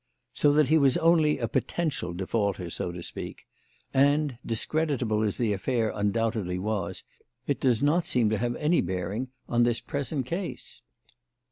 So that he was only a potential defaulter, so to speak; and, discreditable as the affair undoubtedly was, it does not seem to have any direct bearing on this present case."